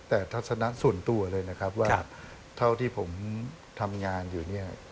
แต่ทัศนะส่วนตัวเลยนะครับว่าเท่าที่ผมทำงานอยู่เนี่ย